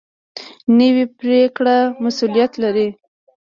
نوې پرېکړه مسؤلیت لري